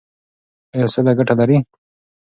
ایا سوله ګټه لري؟